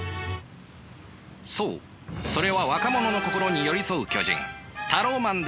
そうそれは若者の心に寄り添う巨人タローマンである。